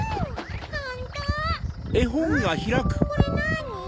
これなに？